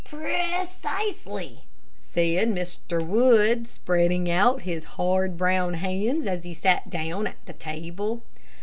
"Precisely," said Mr. Wood, spreading out his hard, brown hands, as he sat down at the table.